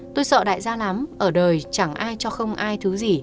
tôi sợ đại gia lắm ở đời chẳng ai cho không ai thứ gì